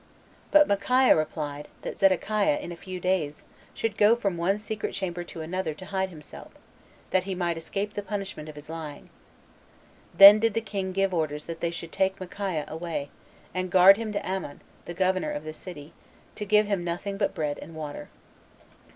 But Micaiah replied, that Zedekiah, in a few days, should go from one secret chamber to another to hide himself, that he might escape the punishment of his lying. Then did the king give orders that they should take Micaiah away, and guard him to Amon, the governor of the city, and to give him nothing but bread and water.